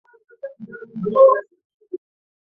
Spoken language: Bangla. স্থানীয়রা চরের নাম নিয়ে দুই অংশে বিভক্ত ছিল।